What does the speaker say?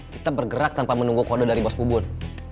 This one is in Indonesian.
kita bergerak tanpa menunggu kode dari bos bubun